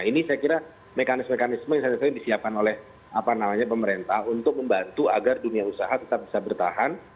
ini saya kira mekanisme mekanisme yang disiapkan oleh pemerintah untuk membantu agar dunia usaha tetap bisa bertahan